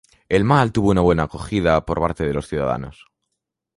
El mall tuvo una buena acogida por parte de los ciudadanos.